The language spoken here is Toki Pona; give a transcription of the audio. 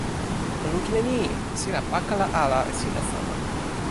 o lukin e ni: sina pakala ala e sina sama.